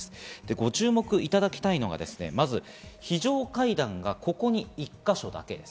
ご注目いただきたいのが非常階段がここに１か所だけです。